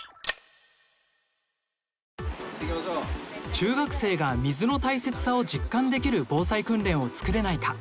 中学生が水の大切さを実感できる防災訓練を作れないか。